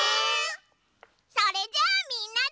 それじゃあみんなで。